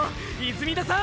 泉田さん！！